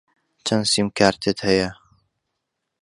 چەند سیمکارتت هەیە؟